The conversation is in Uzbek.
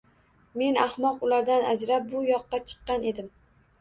— Men ahmoq ulardan ajrab, bu yoqqa chiqqan edim.